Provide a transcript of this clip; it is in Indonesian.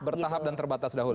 bertahap dan terbatas dahulu